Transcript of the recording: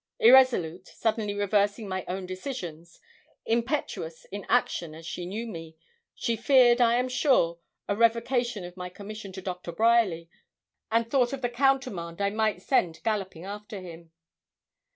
Irresolute, suddenly reversing my own decisions, impetuous in action as she knew me, she feared, I am sure, a revocation of my commission to Doctor Bryerly, and thought of the countermand I might send galloping after him.